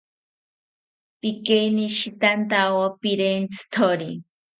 Pikeinishitantawo pirentzitori